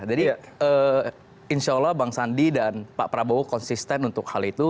insya allah bang sandi dan pak prabowo konsisten untuk hal itu